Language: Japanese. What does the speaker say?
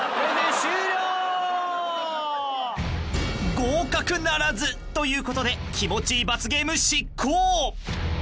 ［合格ならずということで気持ちいい罰ゲーム執行］